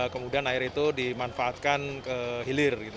kemudian air itu dimanfaatkan ke hilir